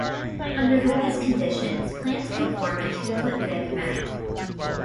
Under the best conditions plants can form a two-foot-thick mat.